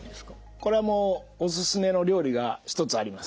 これもおすすめの料理が１つあります。